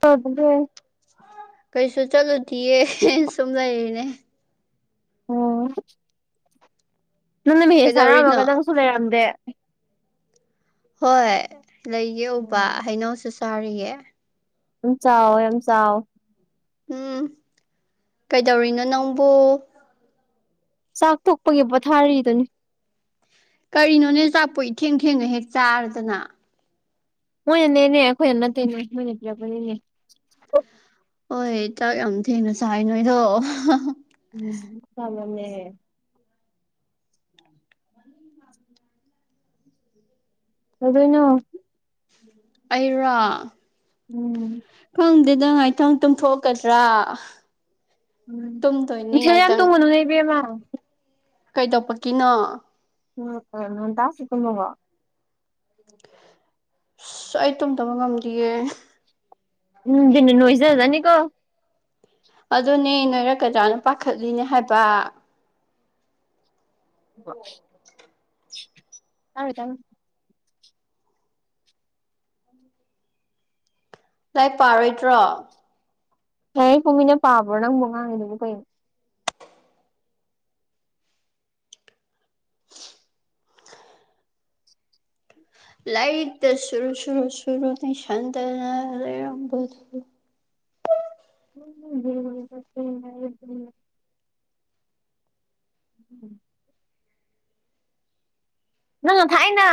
ꯍ ꯑꯗꯨꯗꯤ ꯀꯩꯁꯨ ꯆꯠꯂꯨꯗꯤꯌꯦ ꯁꯨꯝ ꯂꯩꯔꯤꯅꯦ ꯑꯣ ꯅꯪꯅ ꯃꯤ ꯀꯩꯗꯧꯔꯤꯅꯣ ꯁꯥꯔꯛꯑꯝꯃꯒ ꯅꯪ ꯀꯁꯨ ꯂꯩꯔꯝꯗꯦ ꯍꯣꯏ ꯂꯩꯌꯣꯕ ꯍꯩꯅꯧꯁꯨ ꯆꯥꯔꯤꯌꯦ ꯌꯥꯝ ꯆꯥꯎ ꯌꯥꯝ ꯆꯥꯎ ꯎꯝ ꯀꯩꯗꯧꯔꯤꯅꯣ ꯅꯪꯕꯨ ꯆꯥꯛ ꯇꯣꯛꯄꯒꯤ ꯄꯣꯊꯥꯔꯤꯗꯨꯅꯤ ꯀꯔꯤꯅꯣꯅꯦ ꯆꯥꯛꯄꯣ ꯏꯊꯦꯡ ꯊꯦꯡꯅ ꯍꯦꯛ ꯆꯥꯔꯗꯅ ꯃꯣꯏꯅꯅꯦꯅꯦ ꯑꯩꯈꯣꯏꯅ ꯅꯠꯇꯦꯅꯦ ꯃꯣꯏꯅ ꯄꯤꯔꯛꯄꯅꯤꯅꯦ ꯑꯣꯏ ꯆꯥꯛ ꯌꯥꯝ ꯊꯦꯡꯅ ꯆꯥꯏ ꯅꯣꯏꯗꯣ ꯎꯝ ꯐꯃꯝꯃꯦ [inaudible] [inaudible] ꯀꯩꯗꯧꯔꯤꯅꯦ ꯑꯩꯔꯥ ꯎꯝ ꯈꯪꯗꯦꯗ ꯉꯥꯏꯇꯪ ꯇꯨꯝꯊꯣꯛꯀꯗ꯭ꯔꯥ ꯇꯨꯝꯗꯣꯏꯅꯦ ꯉꯥꯏꯇꯪ ꯅꯣꯏ ꯏꯕꯦꯝꯃ ꯀꯩꯗꯧꯄꯀꯤꯅꯣ ꯎꯝ ꯈꯔꯅꯣ ꯗꯥꯁꯨ ꯇꯨꯝꯃꯕꯣ ꯑꯁ ꯑꯩ ꯇꯨꯝꯗꯕ ꯉꯝꯗꯤꯌꯦ ꯎꯝ ꯗꯤꯞꯅ ꯅꯣꯏꯖꯖꯅꯤ ꯀꯣ ꯑꯗꯨꯅꯦ ꯅꯣꯏꯔꯛꯀꯗ꯭ꯔꯅ ꯄꯥꯈꯠꯂꯤꯅꯦ ꯍꯥꯏꯕ [unintelligible] ꯂꯥꯏꯔꯤꯛ ꯄꯥꯔꯣꯏꯗ꯭ꯔꯣ ꯂꯥꯏꯔꯤꯛꯄꯨ ꯃꯤꯅ ꯄꯥꯕ꯭ꯔꯣ ꯅꯪꯕꯨ ꯉꯥꯡꯉꯤꯗꯨꯕꯨ ꯀꯩꯅꯣ ꯂꯥꯏꯔꯤꯛꯇ ꯁꯨꯔ ꯁꯨꯔ ꯁꯨꯔꯨ ꯅꯩꯁꯟꯗꯅ ꯂꯩꯔꯝꯕꯗꯣ [unintelligible] [unintelligible] ꯅꯪꯅ ꯊꯥꯏꯅ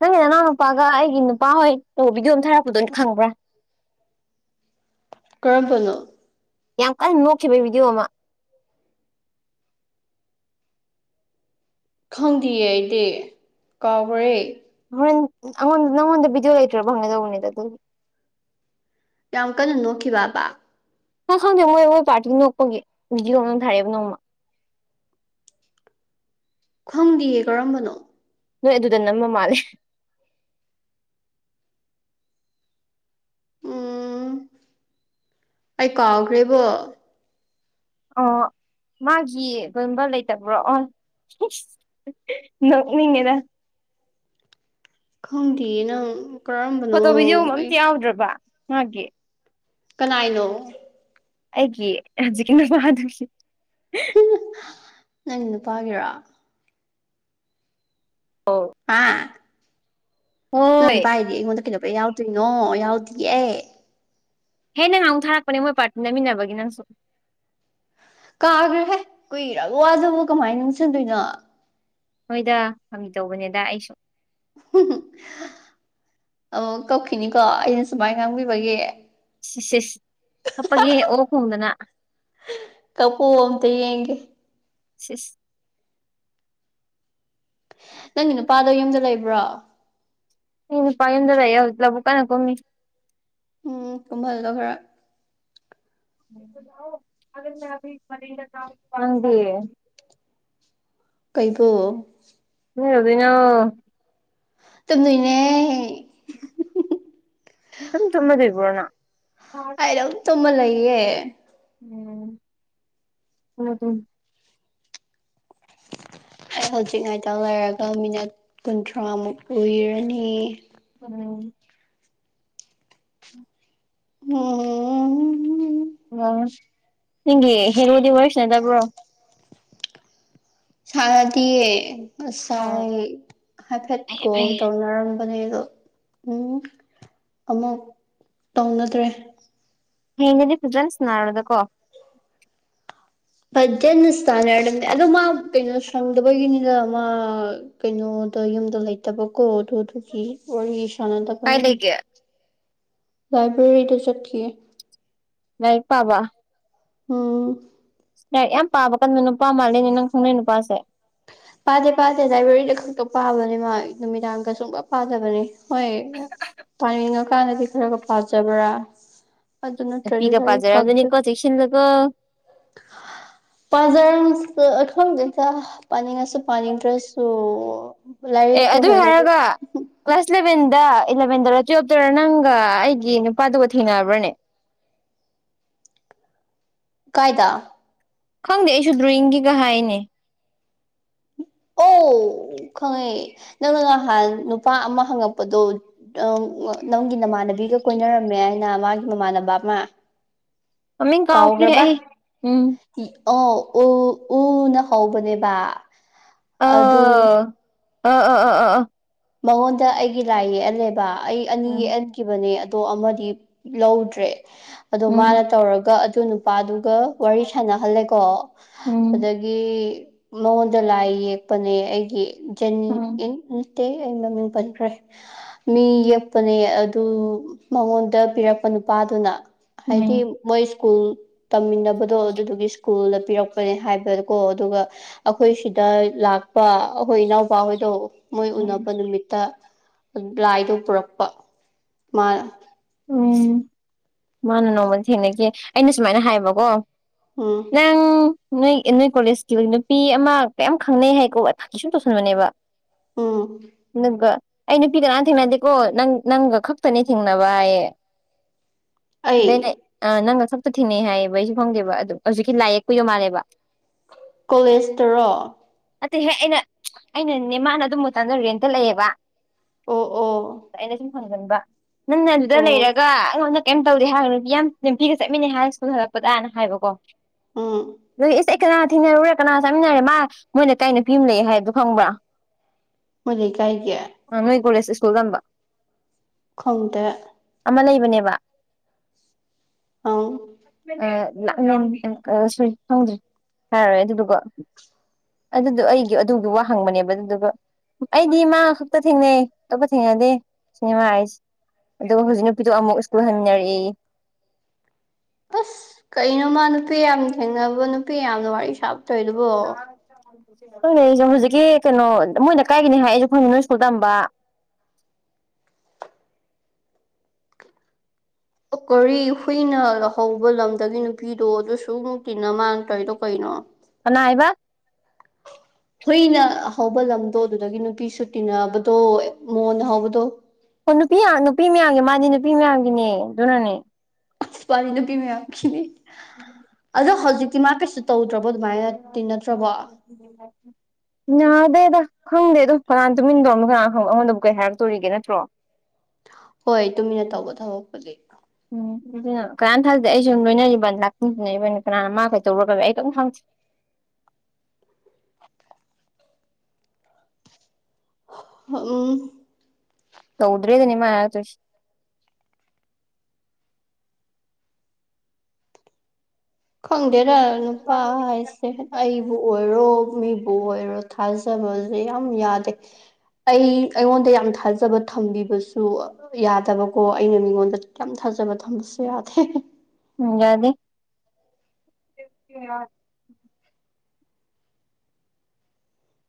ꯅꯪꯒꯤ ꯅꯅꯥꯎ ꯅꯨꯄꯥꯒ ꯑꯩꯒꯤ ꯅꯨꯄꯥ ꯍꯣꯏ ꯇꯧꯕ ꯕꯤꯗꯤꯑꯣ ꯑꯃꯥ ꯊꯥꯔꯛꯄꯗꯣ ꯑꯩꯅ ꯈꯪꯕ꯭ꯔꯥ ꯀꯔꯝꯕꯅꯣ ꯌꯥꯝ ꯀꯟꯅ ꯅꯣꯛꯈꯤꯕꯩ ꯕꯤꯗꯤꯑꯣ ꯑꯃꯥ ꯈꯪꯗꯤꯌꯦ ꯑꯩꯗꯤ ꯀꯥꯎꯒꯔꯦ ꯍꯣꯏ ꯑꯩꯉꯣꯟ ꯅꯉꯣꯟꯗ ꯕꯤꯗꯤꯑꯣ ꯂꯇ꯭ꯔꯕ ꯍꯪꯒꯦ ꯇꯧꯕꯅꯤꯗ ꯌꯥꯝ ꯀꯟꯅ ꯅꯣꯛꯈꯤꯕꯕꯥ ꯍ ꯈꯪꯗꯦ ꯃꯣꯏ ꯃꯣꯏ ꯄꯥꯔꯇꯤ ꯅꯣꯛꯄꯒꯤ ꯅꯣꯛꯄꯒꯤ ꯕꯤꯗꯤꯑꯣ ꯑꯃꯥ ꯊꯥꯔꯛꯑꯦ ꯅꯣꯡꯃ ꯈꯪꯗꯤꯌꯦ ꯀꯔꯝꯕꯅꯣ ꯅꯣꯏ ꯑꯗꯨꯗ ꯅꯝꯃ ꯃꯥꯜꯂꯦ ꯎꯝ ꯑꯩ ꯀꯥꯎꯈ꯭ꯔꯦꯕꯣ ꯑꯣ ꯃꯥꯒꯤ ꯀꯝꯕ ꯂꯩꯇꯕ꯭ꯔꯣ ꯅꯅꯤꯡꯦꯗ ꯈꯪꯗꯤꯌꯦꯅꯪ ꯐꯣꯇꯣ ꯚꯤꯗꯤꯑꯣ ꯑꯝꯇ ꯌꯥꯎꯗ꯭ꯔꯕ ꯃꯥꯒꯤ ꯀꯅꯥꯅꯣ ꯑꯩꯒꯤ ꯍꯧꯖꯤꯛ ꯀꯅ ꯃꯥ ꯑꯗꯨꯦ ꯅꯪ ꯅꯨꯄꯥꯒꯤꯔꯣ ꯑꯣ ꯑꯥ ꯅꯪ ꯍꯣꯏ ꯅꯨꯄꯥꯏꯗꯤ ꯑꯩꯉꯣꯟꯗ ꯀꯩꯗꯧꯕꯩ ꯌꯥꯎꯗꯨꯏꯅꯣ ꯌꯥꯎꯗꯤꯌꯦ ꯍꯦꯅ ꯉꯍꯥꯟꯃꯨꯛ ꯊꯥꯔꯛꯄꯅꯦ ꯃꯣꯏ ꯄꯣꯔꯇꯤ ꯅꯝꯃꯤꯟꯅꯕꯒꯤ ꯅꯪꯁꯨ ꯀꯥꯈꯒ꯭ꯔꯦꯍꯦ ꯀꯨꯏꯔꯕ ꯋꯥꯗꯨꯨꯕꯨ ꯀꯃꯥꯏꯅ ꯅꯤꯡꯁꯤꯡꯗꯨꯏꯅꯣ ꯍꯣꯏꯗ ꯐꯥꯒꯤ ꯇꯧꯕꯅꯦꯗ ꯑꯩꯁꯨ ꯑꯃꯨꯛ ꯀꯞꯈꯤꯅꯤꯀꯣ ꯑꯩꯅ ꯁꯨꯃꯥꯏ ꯉꯥꯡꯕꯤꯕꯒꯤ ꯏꯁ ꯏꯁ ꯀꯞꯄꯒꯦꯍꯦ ꯑꯣꯛ ꯈꯣꯡꯗꯅ ꯀꯞꯄꯨ ꯑꯝꯇ ꯌꯦꯡꯒꯦ ꯁꯦꯁ ꯅꯪꯒꯤ ꯅꯨꯄꯥꯗꯣ ꯌꯨꯝꯗ ꯂꯩꯕ꯭ꯔꯣ ꯑ ꯄꯥꯏꯟꯗ ꯂꯩ ꯌꯥꯎꯖꯤ ꯂꯕꯨ ꯀ ꯅ ꯀꯣꯃꯤ ꯎꯝ ꯀꯣꯨꯡꯚꯜꯗ ꯈꯔ ꯗ ꯀꯩꯕꯨ ꯎ ꯑꯗꯨꯗꯅꯣ ꯇꯅꯅꯦ ꯁꯨꯝ ꯆꯨꯝꯃꯗꯕ꯭ꯔꯣꯅ ꯀꯗꯝ ꯇꯨꯝꯃ ꯂꯩꯌꯦ ꯎꯝ ꯍ ꯑꯗꯨꯝ ꯑꯩ ꯍꯧꯖꯤꯛ ꯉꯥꯏꯇ ꯂꯩꯔꯒ ꯃꯤꯅꯠ ꯀꯨꯟꯊ꯭ꯔꯥꯃꯨꯛ ꯀꯨꯏꯔꯅꯤ ꯑ ꯎꯝ ꯎ ꯎ ꯅꯪꯒꯤ ꯍꯦꯔꯣꯗꯤ ꯋꯥꯔꯤꯁꯤ ꯅꯗꯕ꯭ꯔꯣ ꯁꯔꯗꯤ ꯑꯣ ꯉꯁꯥꯏ ꯍꯥꯏꯐꯦꯠ ꯐꯩꯌꯦ ꯀꯣꯜ ꯐꯩꯌꯦ ꯇꯧꯅꯔꯝꯕꯅꯦ ꯑꯣ ꯎꯝ ꯑꯃꯨꯛ ꯇꯧꯅꯗ꯭ꯔꯦ ꯍꯦꯗꯤ ꯐꯤꯗꯦꯟꯁꯅꯥꯔꯗꯀꯣ ꯄꯖꯅ ꯁꯅꯔ ꯑꯗꯣ ꯃꯥ ꯀꯩꯅꯣ ꯁꯪꯗꯕꯒꯤꯅꯤꯗ ꯃꯥ ꯀꯩꯅꯣꯗ ꯌꯨꯝꯗ ꯂꯩꯇꯕꯀꯣ ꯑꯗꯨ ꯑꯗꯨꯒꯤ ꯋꯥꯔꯤ ꯀꯥꯏ ꯁꯥꯟꯅꯗꯕꯅꯤ ꯂꯩꯒꯦ ꯂꯥꯏꯕ꯭ꯔꯦꯔꯤꯗ ꯆꯠꯈꯤꯌꯦ ꯂꯥꯏꯔꯤꯛ ꯄꯥꯕꯥ ꯎꯝ ꯌꯥ ꯌꯥꯝ ꯄꯥꯕ ꯀꯟꯗ ꯅꯨꯄꯥ ꯃꯥꯜꯜꯂꯤꯅꯦ ꯅꯪ ꯈꯪꯅꯩ ꯅꯨꯄꯥꯁꯦ ꯄꯥꯗꯦ ꯄꯥꯗꯦ ꯖꯥꯏꯕ꯭ꯔꯦꯔꯤꯗ ꯈꯛꯇ ꯄꯥꯕꯅꯦ ꯃꯥ ꯅꯨꯃꯤꯗꯥꯡꯒ ꯁꯨꯡꯒ ꯄꯥꯖꯕꯅꯦ ꯍꯣꯏ ꯄꯥꯅꯤꯡꯉꯀꯥꯟꯗꯗꯤ ꯈꯔꯒ ꯄꯥꯖꯕ꯭ꯔꯥ ꯑꯗꯨ ꯑꯗꯨ ꯅꯨꯄꯤꯒ ꯅꯠꯇ꯭ꯔꯔꯤꯒꯔꯤ ꯐꯥꯛꯇ ꯄꯥꯖꯔꯝꯖꯅꯤꯀꯣ ꯆꯦꯛꯁꯤꯜꯂꯨꯀꯣ ꯄꯖꯔ ꯑꯗ ꯄꯅꯤ ꯉ ꯄꯅ ꯏ꯭ꯔꯦꯁꯨ ꯑꯦ ꯑꯗꯨ ꯍꯥꯏꯔꯒ ꯀ꯭ꯂꯥꯁ ꯏꯂꯚꯦꯟꯗ ꯏꯂꯚꯦꯟꯗꯔ ꯇꯨꯌꯦꯜꯞꯇꯔ ꯅꯪꯒ ꯑꯩꯒꯤ ꯅꯨꯄꯥꯗꯨꯒ ꯊꯦꯡꯅꯔꯕ꯭ꯔꯅꯦ ꯀꯥꯏꯗ ꯈꯪꯗꯦ ꯑꯩꯁꯨ ꯗ꯭ꯔꯣꯋꯤꯡꯒꯤꯒ ꯍꯥꯏꯅꯦ [inaudible] ꯈꯪꯉꯛꯑ ꯅꯪꯅ ꯅꯍꯥꯟ ꯅꯨꯄꯥ ꯑꯃ ꯍꯪꯉꯛꯄꯗꯣ ꯑ ꯅꯪꯒꯤ ꯅꯃꯥꯟꯅꯕꯤꯒ ꯀꯣꯏꯅꯔꯝꯃꯦ ꯍꯥꯏꯅ ꯃꯥꯒꯤ ꯃꯃꯥꯟꯅꯕ ꯑꯃ ꯃꯃꯤꯡ ꯀꯥꯎꯈ꯭ꯔꯦ ꯀꯥꯎꯕ꯭ꯔꯕꯥ ꯑꯩ ꯎꯝ ꯑꯣ ꯎ ꯎꯅ ꯍꯧꯕꯅꯦꯕ ꯑꯗꯨꯗ ꯑ ꯑ ꯑ ꯑ ꯑ ꯃꯉꯣꯟꯗ ꯑꯩꯒꯤ ꯂꯥꯏ ꯌꯦꯛꯍꯜꯂꯦꯕ ꯑꯩ ꯑꯅꯤ ꯎꯝ ꯌꯦꯛꯍꯟꯦ ꯈꯤꯕꯅꯦ ꯑꯗꯣ ꯑꯃꯗꯤ ꯂꯧꯗ꯭ꯔꯦ ꯑꯗꯣ ꯎꯝ ꯃꯥꯅ ꯇꯧꯔꯒ ꯑꯗꯨ ꯅꯨꯄꯥꯗꯨꯒ ꯋꯥꯔꯤ ꯁꯥꯟꯅꯍꯜꯂꯦꯀꯣ ꯑ ꯃꯉꯣꯟꯗ ꯂꯥꯏ ꯌꯦꯛꯄꯅꯦ ꯑꯩꯒꯤ ꯖꯅꯤ ꯎꯝ [unintelligible] ꯃꯤ ꯌꯦꯛꯄꯅꯦ ꯑꯗꯨ ꯃꯉꯣꯟꯗ ꯄꯤꯔꯛꯄ ꯅꯨꯄꯥꯗꯨꯅ ꯍꯥꯏꯗꯤ ꯎꯝ ꯃꯣꯏ ꯁ꯭ꯀꯨꯜ ꯇꯝꯃꯤꯟꯅꯕꯗꯣ ꯑꯗꯨꯗꯨꯒꯤ ꯁ꯭ꯀꯨꯜꯗ ꯄꯤꯔꯛꯄꯅꯦ ꯍꯥꯏꯕ ꯀꯣ ꯑꯗꯨꯒ ꯑꯩꯈꯣꯏ ꯁꯤꯗ ꯂꯥꯛꯄ ꯑꯩꯈꯣꯏ ꯏꯅꯥꯎꯄꯥ ꯍꯣꯏꯗꯣ ꯃꯣꯏ ꯎꯝ ꯎꯅꯕ ꯅꯨꯃꯤꯠꯇ ꯂꯥꯏꯗꯣ ꯄꯨꯔꯛꯄ ꯃꯥ ꯎꯝ ꯃꯥꯅ ꯅꯣꯡꯃꯗ ꯊꯦꯡꯅꯈꯤ ꯑꯩꯅ ꯁꯨꯃꯥꯏꯅ ꯍꯥꯏꯌꯦꯕꯀꯣ ꯎꯝ ꯅꯪ ꯅꯣꯏ ꯅꯣꯏ ꯀꯣꯂꯦꯖꯀꯤ ꯅꯨꯄꯤ ꯑꯃ ꯀꯌꯥꯝ ꯈꯪꯅꯩ ꯍꯥꯏꯀꯣ ꯊ ꯁꯨꯝ ꯇꯧꯁꯟꯕꯅꯦꯕ ꯎꯝ ꯑꯗꯨꯒ ꯑꯩ ꯅꯨꯄꯤꯒ ꯅꯍꯥꯟ ꯊꯦꯡꯅꯗꯦꯀꯣ ꯅꯪ ꯅꯪꯒ ꯈꯛꯇꯅꯦ ꯊꯦꯡꯅꯕ ꯍꯥꯏ ꯑꯩ [unintelligible] ꯑ ꯅꯪꯒ ꯈꯛꯇ ꯊꯤꯅꯩ ꯍꯥꯏꯌꯦꯕ ꯑꯩꯁꯨ ꯐꯪꯗꯦꯕ ꯑꯗꯨ ꯍꯧꯖꯤꯛꯀꯤ ꯂꯥꯏ ꯌꯦꯛꯄꯨ ꯌꯧ ꯃꯥꯜꯂꯦꯕ ꯀꯣꯂꯦꯖꯇꯔꯣ ꯑꯍꯦꯛ ꯑꯩꯅ ꯑꯩꯅ ꯅꯦꯃꯥꯟꯅ ꯑꯗꯨꯝꯕ ꯃꯇꯗ ꯔꯦꯟꯇ ꯂꯩꯑꯦꯕ ꯑꯣ ꯑꯣ ꯑꯩꯅ ꯁꯨꯝ ꯍꯪꯒꯟꯕ ꯅꯪꯅ ꯑꯗꯨꯗ ꯑꯣ ꯂꯩꯔꯒ ꯑꯩꯉꯣꯟꯗ ꯀꯦꯝ ꯇꯧꯗꯦ ꯍꯥꯏꯕ ꯅꯨꯄꯤ ꯌꯥꯝ ꯅꯨꯄꯤꯤꯒ ꯆꯠꯃꯤꯟꯅꯩ ꯍꯥꯏ ꯁ꯭ꯀꯨꯜ ꯍꯜꯂꯛꯄꯗꯅ ꯍꯥꯏꯕꯀꯣ ꯎꯝ ꯑꯗꯨꯗꯤ ꯑꯦꯁ ꯑꯩ ꯀꯅꯥ ꯊꯦꯡꯅꯔꯨꯔꯦ ꯀꯅꯥ ꯆꯥꯃꯤꯟꯅꯔꯦ ꯃꯥ ꯃꯣꯏꯅ ꯀꯥꯏꯩꯅꯣ ꯐꯤꯝ ꯂꯩ ꯍꯥꯏꯕꯗꯨꯣ ꯈꯪꯕ꯭ꯔꯥ [inaudible] ꯃ ꯂꯩ ꯀꯥꯏꯒꯤ ꯑꯪ ꯅꯣꯏ ꯀꯣꯂꯦꯖ ꯁꯀꯨꯜ ꯇꯝꯕ ꯈꯪꯗꯦ ꯑꯃ ꯂꯩꯕꯅꯦꯕ ꯑ ꯁ ꯈꯪꯗ꯭ꯔꯤ ꯍꯥꯏꯔꯔꯣꯏ ꯑꯗꯨꯗꯨꯒ ꯑꯗꯨꯗꯣ ꯑꯩꯒꯤ ꯑꯗꯨꯒꯤ ꯋꯥ ꯍꯪꯕꯅꯦꯕ ꯑꯗꯨꯗꯨꯒ ꯑꯩꯗꯤ ꯃꯥ ꯈꯛꯇ ꯊꯦꯡꯅꯩ ꯑꯇꯣꯞꯄ ꯊꯦꯡꯅꯗꯦ ꯁꯤꯅꯦꯃꯥ ꯍꯥꯏꯁꯦ ꯑꯗꯨꯒ ꯍꯧꯖꯤꯛ ꯅꯨꯄꯤꯗꯣ ꯑꯃꯨꯛ ꯁ꯭ꯀꯨꯜ ꯍꯟꯅꯔꯛꯏ ꯑꯁ ꯀꯩꯅꯣꯃ ꯅꯨꯄꯤ ꯌꯥꯝꯅ ꯊꯦꯡꯅꯕꯣ ꯅꯨꯄꯤ ꯌꯥꯝꯅ ꯋꯥꯔꯤ ꯁꯥꯕ ꯇꯣꯏꯗꯨꯕꯣ ꯍꯪ ꯂꯩꯁꯦ ꯍꯧꯖꯤꯛꯀꯤ ꯀꯩꯅꯣ ꯃꯣꯏꯅ ꯀꯥꯏꯒꯤꯅꯤ ꯍꯥꯏꯁꯦ ꯈꯪꯉ ꯅꯣꯏ ꯁ꯭ꯀꯨꯜ ꯇꯝꯕ ꯑꯣ ꯀꯔꯤ ꯍꯨꯏꯅ ꯂꯧꯍꯧꯕ ꯂꯝꯗꯒꯤ ꯅꯨꯄꯤꯗꯣ ꯑꯗꯨꯁꯨ ꯇꯤꯟꯅ ꯃꯥꯟꯗ꯭ꯔꯣꯏꯗꯣ ꯀꯩꯅꯣ ꯅꯥꯏꯕ ꯍꯨꯏꯅ ꯍꯥꯎꯧꯕ ꯂꯝꯗꯣ ꯑꯗꯨꯗꯒꯤ ꯅꯨꯄꯤꯁꯨ ꯇꯤꯟꯅꯕꯗꯣ ꯃꯣꯟꯅ ꯍꯧꯕꯗꯣ ꯑꯣ ꯅꯨꯄꯤ ꯅꯨꯄꯤ ꯃꯌꯥꯝꯒꯤ ꯃꯥꯗꯤ ꯅꯨꯄꯤ ꯃꯌꯥꯝꯒꯤꯅꯦ ꯑꯗꯨꯅꯅꯦ ꯄꯥꯅꯤ ꯅꯨꯄꯤ ꯃꯌꯥꯝꯒꯤꯅꯤ ꯑꯗꯣ ꯍꯧꯖꯤꯛꯇꯤ ꯃꯥ ꯀꯩꯁꯨ ꯇꯧꯗ꯭ꯔꯕꯣ ꯑꯗꯨꯃꯥꯏꯅ ꯇꯤꯟꯅꯠꯇ꯭ꯔꯕꯣ ꯎꯝ ꯌꯥꯅꯥꯗꯦꯗ ꯈꯪꯗꯦ ꯑꯗꯣ ꯀꯅꯥ ꯇꯨꯃꯤꯟꯅꯗꯣ ꯑꯃ ꯀꯅꯥ ꯈꯪꯕ ꯑꯩꯉꯣꯟꯗꯕꯨ ꯀꯩ ꯍꯥꯏꯔꯛꯇꯣꯔꯤꯒꯦ ꯅꯠꯇ꯭ꯔꯣ ꯍꯣꯏ ꯇꯨꯃꯤꯟꯅ ꯇꯧꯕ ꯊꯕꯛꯄꯨꯗꯤ ꯎꯝ ꯑꯗꯨꯅ ꯀꯅꯥꯅ ꯊꯜꯗꯗꯤ ꯑꯩꯁꯨ ꯂꯣꯏꯅꯔꯤꯕ ꯂꯥꯛꯄꯤꯟꯔꯤꯕꯅꯤ ꯀꯅꯥꯅ ꯃꯥ ꯀꯩ ꯇꯧꯔꯒ ꯑꯩ ꯀꯩꯝ ꯈꯪꯗꯦ ꯎꯝ ꯇꯧꯗ꯭ꯔꯦ ꯑꯗꯨꯅꯤꯃ ꯈꯪꯗꯦꯔ ꯅꯨꯄꯥ ꯍꯥꯏꯁꯦ ꯑꯩꯕꯨ ꯑꯣꯏꯔꯣ ꯃꯤꯕꯨ ꯑꯣꯏꯔꯣ ꯊꯥꯖꯕꯁꯦ ꯌꯥꯝ ꯌꯥꯗꯦ ꯑꯩ ꯑꯩꯉꯣꯟꯗ ꯌꯥꯝ ꯊꯥꯖꯕ ꯊꯝꯕꯤꯕꯁꯨ ꯌꯥꯗꯕꯀꯣ ꯑꯩꯅ ꯃꯤꯉꯣꯟꯗ ꯌꯥꯝ ꯊꯥꯖꯕ ꯊꯝꯕꯁꯨ ꯌꯥꯗꯦ ꯎ ꯌꯥꯗꯗꯤ [inaudible]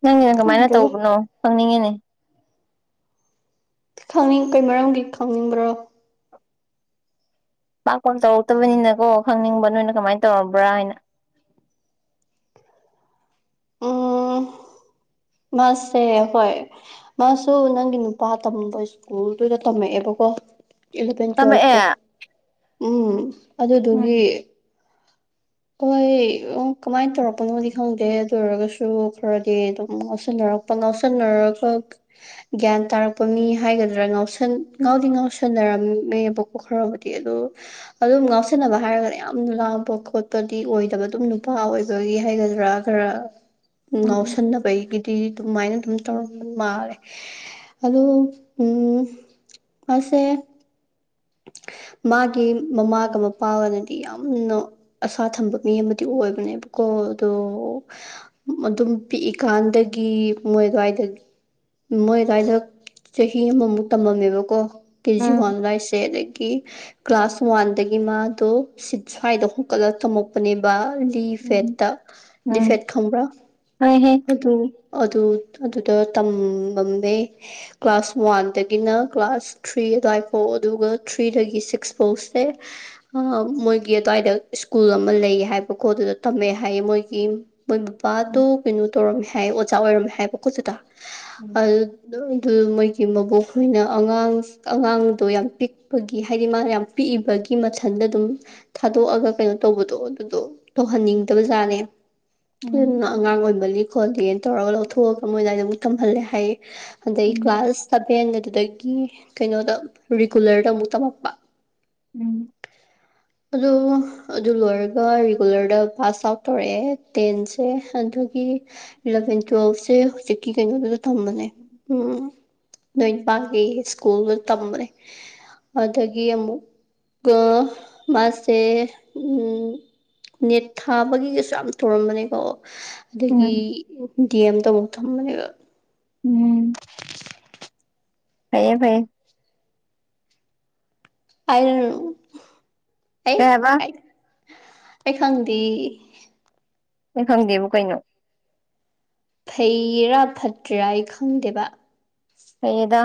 ꯅꯪꯒꯤ ꯅꯪ ꯀꯃꯥꯏꯅ ꯈꯪꯗ꯭ꯔꯦꯗ ꯇꯧꯕꯅꯣ ꯈꯪꯅꯤꯡꯉꯤꯅꯦ ꯈꯪꯅꯤꯡ ꯀꯩ ꯃꯔꯝꯒꯤ ꯈꯪꯅꯤꯡꯕ꯭ꯔꯣ ꯄꯥꯛꯄ ꯆꯥꯎꯧꯔꯛꯇꯕꯅꯤꯅ ꯀꯣ ꯈꯪꯅꯤꯡꯕ ꯅꯣꯏꯅ ꯀꯃꯥꯏꯅ ꯇꯧꯔꯕ꯭ꯔꯥ ꯍꯥꯏꯅ ꯎꯝ ꯃꯥꯁꯦ ꯍꯣꯏ ꯃꯥꯁꯨ ꯅꯪꯒꯤ ꯅꯨꯄꯥ ꯇꯝꯕ ꯁ꯭ꯀꯨꯜꯗꯨꯗ ꯇꯝꯃꯛꯑꯦꯕꯀꯣ ꯏꯂꯚꯦꯟ ꯇꯨꯋꯦꯜꯐꯇꯣ ꯇꯝꯃꯛꯑꯦ ꯎꯝ ꯎꯝ ꯑꯗꯨꯗꯨꯒꯤ ꯍꯣꯏ ꯎ ꯀꯃꯥꯏꯅ ꯇꯧꯔꯛꯄꯅꯣꯗꯤ ꯈꯪꯗꯦ ꯑꯗꯨ ꯑꯣꯏꯔꯒꯁꯨ ꯈꯔꯗꯤ ꯑꯗꯨꯝ ꯉꯥꯎꯁꯟꯅꯔꯛꯄ ꯉꯥꯎꯁꯟꯅꯔꯒ ꯒ꯭ꯌꯥꯟ ꯇꯥꯔꯛꯄ ꯃꯤ ꯍꯥꯏꯒꯗ꯭ꯔꯥ ꯉꯥꯎꯁꯟ ꯉꯥꯎꯗꯤ ꯉꯥꯎꯁꯟꯅꯔꯝꯃꯦꯕꯨ ꯈꯔꯕꯨꯗꯤ ꯑꯗꯨ ꯑꯗꯨꯝ ꯉꯥꯎꯁꯟꯅꯕ ꯍꯥꯏꯔꯒꯅ ꯌꯥꯝꯅ ꯂꯥꯡꯕ ꯈꯣꯠꯄ ꯗꯤ ꯑꯣꯏꯗꯕ ꯑꯗꯨꯝ ꯅꯨꯄꯥ ꯑꯣꯏꯕꯒꯤ ꯍꯥꯏꯒꯗ꯭ꯔꯥ ꯈꯔ ꯎꯝ ꯉꯥꯎꯁꯟꯅꯕꯒꯤ ꯇꯤ ꯑꯗꯨꯃꯥꯏꯅ ꯑꯗꯨꯝ ꯇꯧꯔ ꯃꯥꯜꯂꯦ ꯑꯗꯨ ꯎꯝ ꯑꯁꯦ ꯃꯥꯒꯤ ꯃꯃꯥꯒ ꯃꯄꯥꯒꯅꯗꯤ ꯌꯥꯝꯅ ꯑꯁꯥ ꯊꯝꯕ ꯃꯤ ꯑꯃꯗꯤ ꯑꯣꯏꯕꯅꯦꯕꯀꯣ ꯑꯗꯣ ꯑꯗꯨꯝ ꯄꯤꯛꯏꯀꯥꯟꯗꯒꯤ ꯃꯣꯏ ꯑꯗꯨꯋꯥꯏꯗꯒꯤ ꯃꯣꯏ ꯑꯗꯨꯏꯗ ꯆꯍꯤ ꯑꯃꯃꯨꯛ ꯇꯝꯃꯝꯃꯦꯕꯀꯣ ꯀꯦꯖꯤ ꯎꯝ ꯋꯥꯟ ꯂꯥꯏꯁ ꯑꯅꯗꯒꯤ ꯀ꯭ꯂꯥꯁ ꯋꯥꯟꯗꯒꯤ ꯃꯥꯗꯣ ꯁꯤ ꯁ꯭ꯋꯥꯏꯗ ꯍꯨꯀꯠꯂꯒ ꯇꯝꯃꯛꯄꯅꯦꯕ ꯎꯝ ꯗꯤꯐꯦꯠꯇ ꯎꯝ ꯗꯤꯐꯦꯠ ꯈꯪꯕ꯭ꯔꯥ ꯍꯣꯏꯍꯦ ꯑꯗꯨ ꯑꯗꯨ ꯑꯗꯨꯗ ꯇꯃꯝꯃꯦ ꯀ꯭ꯂꯥꯁ ꯋꯥꯟꯗꯒꯤꯅ ꯀ꯭ꯂꯥꯁ ꯊ꯭ꯔꯤ ꯑꯗꯨꯋꯥꯏ ꯐꯥꯎ ꯑꯗꯨꯒ ꯊ꯭ꯔꯤꯗꯒꯤ ꯁꯤꯛꯁ ꯐꯧꯁꯦ ꯃꯣꯏꯒꯤ ꯑꯗꯨꯋꯥꯏꯗ ꯁ꯭ꯀꯨꯜ ꯑꯃ ꯂꯩ ꯍꯥꯏꯕ ꯈꯣꯠꯇꯗ ꯇꯝꯃꯦ ꯍꯥꯏꯌꯦ ꯃꯣꯏꯒꯤ ꯃꯣꯏ ꯎꯝ ꯕꯕꯥꯗꯣ ꯀꯩꯅꯣ ꯇꯧꯔꯝꯃꯦ ꯍꯥꯏ ꯑꯣꯖꯥ ꯑꯣꯏꯔꯝꯃꯦ ꯍꯥꯏꯕꯀꯣꯖꯨꯗ ꯎꯝ ꯑꯗꯨ ꯑꯗꯨ ꯃꯣꯏꯒꯤ ꯃꯕꯣꯛꯈꯣꯏꯅ ꯑꯉꯥꯡ ꯑꯉꯥꯡꯗꯣ ꯌꯥꯝ ꯄꯤꯛꯄꯒꯤ ꯍꯥꯏꯗꯤ ꯃꯥꯅ ꯌꯥꯝ ꯄꯤꯛꯏꯕꯒꯤ ꯃꯊꯟꯗ ꯑꯗꯨꯝ ꯊꯥꯗꯣꯛꯑꯒ ꯀꯩꯅꯣ ꯇꯧꯕꯗꯣ ꯑꯗꯨꯗꯣ ꯇꯧꯍꯟꯅꯤꯡꯗꯕ ꯖꯥꯠꯅꯦ ꯎꯝ ꯑꯗꯨꯝ ꯑꯉꯥꯡ ꯑꯣꯏꯃꯅꯤ ꯈꯣꯠꯂꯤꯅ ꯇꯧꯔꯒ ꯂꯧꯊꯣꯛꯑꯒ ꯃꯣꯏꯅ ꯑꯗꯨꯝ ꯇꯝꯍꯜꯂꯦ ꯍꯥꯏꯌꯦ ꯑꯗꯗꯒꯤ ꯎꯝ ꯀ꯭ꯂꯥꯁ ꯁꯕꯦꯟ ꯑꯗꯨꯗꯒꯤ ꯀꯩꯅꯣꯗ ꯔꯤꯒꯨꯂꯔꯗ ꯑꯃꯨꯛ ꯇꯝꯃꯛꯄ ꯎꯝ ꯑꯗꯣ ꯑꯗꯨ ꯂꯣꯏꯔꯒ ꯔꯤꯒꯨꯂꯔꯗ ꯄꯥꯁ ꯍꯥꯞ ꯇꯧꯔꯛꯑꯦ ꯇꯦꯟꯁꯦ ꯑꯗꯨꯒꯤ ꯏꯂꯚꯦꯟ ꯇ꯭ꯋꯦꯞꯁꯦ ꯆꯧꯖꯨꯛꯀꯤ ꯀꯩꯅꫭꯗꯨꯅ ꯇꯝꯕꯅꯦ ꯎꯝ ꯅꯣꯏ ꯄꯥꯒꯤ ꯏꯁ꯭ꯀꯨꯜꯗꯨ ꯇꯝꯕꯅꯦ ꯑꯗꯨꯗꯒꯤ ꯑꯃꯛ ꯀ ꯃꯥꯁꯦ ꯎ ꯅꯦꯠ ꯊꯥꯕꯒꯤꯒꯁꯨ ꯌꯥꯝ ꯇꯧꯔꯝꯕꯅꯦꯀꯣ ꯑꯗꯨꯒꯤ ꯎꯝ ꯗꯤ ꯑꯦꯝꯇꯧꯔ ꯊꯝꯕꯅꯦꯕ ꯎꯝ ꯐꯩꯌꯦ ꯐꯩꯌꯦ ꯑꯔ ꯑꯩ ꯀꯩ ꯍꯥꯏꯕ ꯑꯩ ꯈꯪꯗꯦ ꯅꯣ ꯈꯪꯗꯦꯕꯨ ꯀꯩꯅꯣ ꯐꯩꯔꯥ ꯐꯠꯇꯤꯔꯥ ꯑꯩ ꯈꯪꯗꯦꯕ ꯐꯩꯌꯦꯗꯗ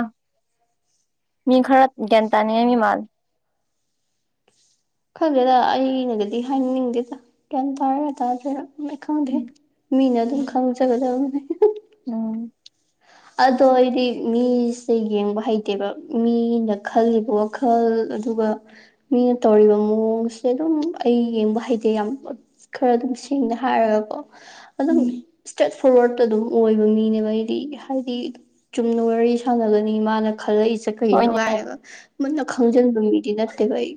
ꯃꯤ ꯈꯔ ꯒ꯭ꯌꯥꯟ ꯇꯥꯅꯤꯡꯉꯥꯏ ꯃꯤ ꯃꯥꯜꯂꯦ ꯈꯪꯗꯦꯗ ꯑꯩꯅꯒꯗꯤ ꯍꯥꯏꯅꯤꯡꯗꯦꯗ ꯒꯌꯥꯟ ꯇꯥꯕ ꯇꯥꯗꯕꯔ ꯎꯝ ꯑꯩ ꯈꯪꯗꯦ ꯎꯝ ꯃꯤꯅ ꯑꯗꯨꯝ ꯈꯪꯖꯒꯗꯕꯅꯦ ꯎꯝ ꯑꯗꯣ ꯑꯩꯗꯤ ꯃꯤꯁꯦ ꯌꯦꯡꯕ ꯍꯩꯇꯦꯕ ꯃꯤꯅ ꯈꯜꯂꯤꯕ ꯃꯈꯜ ꯑꯗꯨꯒ ꯃꯤꯅ ꯇꯧꯔꯤꯕ ꯃꯑꯣꯡꯁꯦ ꯑꯗꯨꯝ ꯑꯩ ꯌꯦꯡꯕ ꯍꯩꯇꯦ ꯌꯥꯝ ꯈꯔ ꯑꯗꯨꯝ ꯁꯦꯡꯅ ꯍꯥꯏꯔꯒꯀꯣ ꯑꯗꯨꯝ ꯎꯝ ꯏꯁꯇ꯭ꯔꯦꯠ ꯐꯣꯔꯋꯥꯔꯗꯠꯇ ꯑꯗꯨꯝ ꯑꯣꯏꯕ ꯃꯤꯅꯦꯕ ꯑꯩꯗꯤ ꯍꯥꯏꯗꯤ ꯆꯨꯝꯅ ꯋꯥꯔꯤ ꯁꯥꯟꯅꯒꯅꯤ ꯃꯥꯅ ꯈꯜꯂꯛꯏꯁꯩ ꯀꯩꯅꯣ ꯍꯣꯏꯅꯦ ꯀꯥꯏꯅꯒ ꯃꯨꯟꯅ ꯈꯪꯖꯤꯟꯕ ꯃꯤꯗꯤ ꯅꯠꯇꯦꯕ ꯑꯩ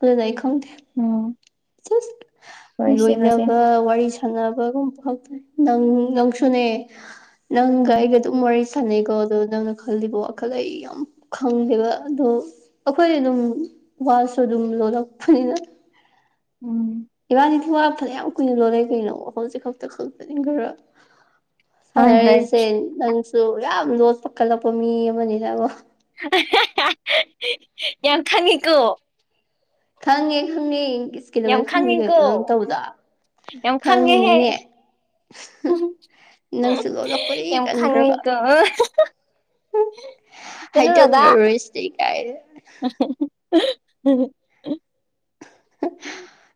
ꯑꯗꯨꯅ ꯑꯩ ꯈꯪꯗꯦ ꯎꯝ ꯖꯧꯏ ꯍꯣꯏꯁꯦ ꯍꯣꯏꯁꯦ ꯂꯣꯏꯅꯕ ꯋꯥꯔꯤ ꯁꯅꯕꯒꯨꯝ ꯅꯪ ꯅꯪꯁꯨꯅꯦ ꯎꯝ ꯅꯪꯒ ꯑꯩꯒ ꯑꯗꯨꯝ ꯋꯥꯔꯤ ꯁꯥꯟꯅꯩꯀꯣ ꯑꯗꯣ ꯅꯪꯅ ꯈꯜꯂꯤꯕ ꯋꯥꯈꯜ ꯑꯩ ꯑꯝ ꯈꯪꯗꯦꯕ ꯑꯗꯣ ꯑꯩꯈꯣꯏ ꯑꯗꯨꯝ ꯋꯥꯁꯨ ꯑꯗꯨꯝ ꯂꯣꯜꯂꯛꯄꯅꯤꯅ ꯎꯝ ꯏꯕꯅꯤ ꯏꯗꯨ ꯋꯥ ꯐꯔꯦ ꯌꯥꯝ ꯀꯨꯏꯅ ꯂꯣꯂꯩ ꯀꯩꯅꯣ ꯍꯧꯖꯤꯛ ꯈꯛꯇ ꯈꯛꯇꯅꯤ ꯈꯔ ꯍꯣꯏ ꯍꯣꯏ ꯁꯥꯟꯅꯔꯛꯏꯁꯦ ꯅꯪꯁꯨ ꯌꯥꯝ ꯂꯣꯠꯄ ꯀꯜꯂꯛꯄ ꯃꯤ ꯑꯃꯅꯤꯅꯦꯕ ꯌꯥꯝ ꯈꯪꯉꯤꯀꯣ ꯈꯪꯉꯦ ꯈꯪꯉꯦ ꯌꯥꯝ ꯀꯩꯗꯧꯕꯩ ꯈꯪꯉꯤꯀꯣ ꯈꯪꯉꫭꯏꯗꫭꯏꯅꫭ ꯅꯪ ꯇꯧꯕꯗꫭ ꯌꯥꯝ ꯈꯪꯉꯦꯍꯦ ꯈꯪꯉꯤꯅꯤꯅꯦ ꯅꯪꯁꯨ ꯂꯣꯠꯂꯛꯄꯗꯤ ꯌꯥꯝ ꯀꯟꯈ꯭ꯔꯕ ꯈꯪꯉꯤꯀꯣ ꯍꯨꯡ ꯍꯥꯏꯗꫭꯛꯅꯔꫭꯏꯁꯤ ꯀꯥꯏꯅ ꯑꯁ [unintelligible] [unintelligible]